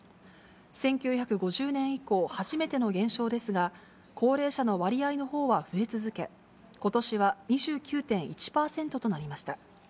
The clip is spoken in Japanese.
１９５０年以降、初めての減少ですが、高齢者の割合のほうは増え続け、ことしは２９．１％となりました。